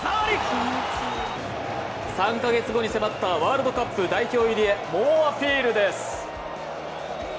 ３カ月後に迫ったワールドカップ代表入りへ猛アピールです。